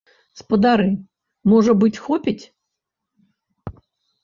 Спадары, можа быць, хопіць?